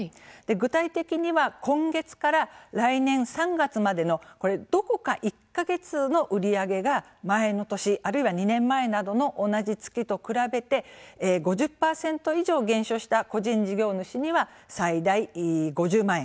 具体的には今月から来年３月までのどこか１か月の売り上げが前の月、あるいは２年前などの同じ月と比べて５０％以上減少した個人事業主には最大５０万円。